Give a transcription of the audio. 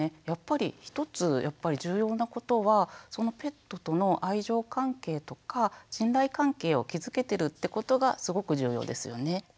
やっぱり１つ重要なことはそのペットとの愛情関係とか信頼関係を築けてるってことがすごく重要ですよね。